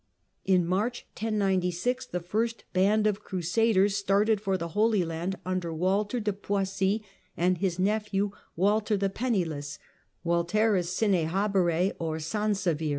In March 1096 the first band of Crusaders started for the Holy Land under Walter de Poissy and his nephew Walter the Penniless ( Walterus Sinehabere or Sansaveir).